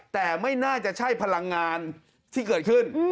แต่ไม่น่าจะใช่พลังงานที่เกิดขึ้น